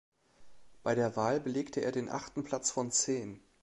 Bei der Wahl belegte er den achten Platz von zehn.